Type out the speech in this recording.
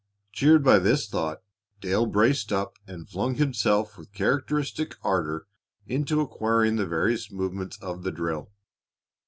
Cheered by this thought, Dale braced up and flung himself with characteristic ardor into acquiring the various movements of the drill.